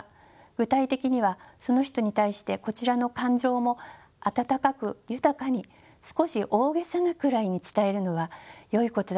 具体的にはその人に対してこちらの感情も温かく豊かに少し大げさなくらいに伝えるのはよいことだと思います。